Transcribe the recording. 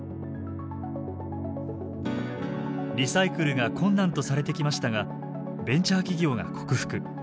リサイクルが困難とされてきましたがベンチャー企業が克服。